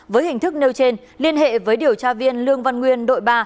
với hình thức nêu trên liên hệ với điều tra viên lương văn nguyên đội ba